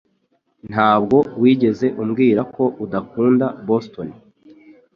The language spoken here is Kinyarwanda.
Ntabwo wigeze umbwira ko udakunda Boston